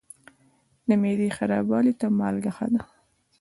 د معدې خرابوالي ته مالګه ښه ده.